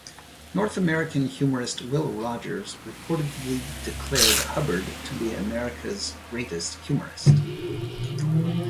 North American humorist Will Rogers reportedly declared Hubbard to be America's greatest humorist.